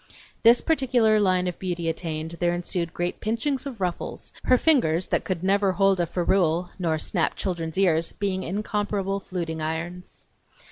This particular line of beauty attained, there ensued great pinchings of ruffles, her fingers that could never hold a ferrule nor snap children's ears being incomparable fluting irons.